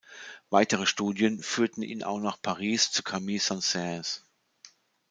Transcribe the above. Weitere Studien führten ihn auch nach Paris zu Camille Saint-Saëns.